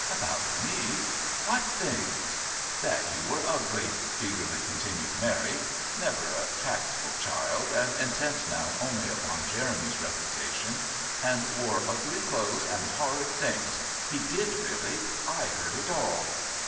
"About me? What things?" "That you were ugly," eagerly continued Mary never a tactful child, and intent now only upon Jeremy's reputation "and wore ugly clothes and horrid things. He did really. I heard it all."